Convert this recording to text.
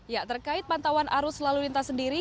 ya terkait pantauan arus lalu lintas sendiri